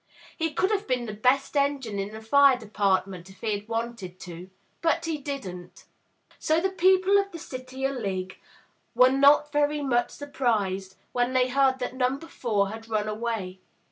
He could have been the best engine in the fire department if he had wanted to, but he didn't. So the people of the City o' Ligg were not very much sur prised when they heard that Number Four had run away.